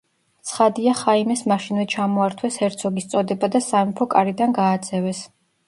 ცხადია ხაიმეს მაშინვე ჩამოართვეს ჰერცოგის წოდება და სამეფო კარიდან გააძევეს.